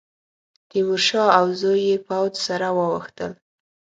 تیمورشاه او زوی یې پوځ سره واوښتل.